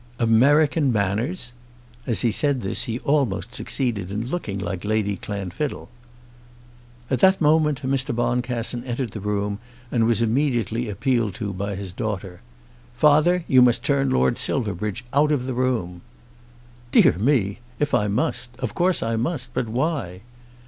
'American manners!'" As he said this he almost succeeded in looking like Lady Clanfiddle. At that moment Mr. Boncassen entered the room, and was immediately appealed to by his daughter. "Father, you must turn Lord Silverbridge out of the room." "Dear me! If I must, of course I must. But why?"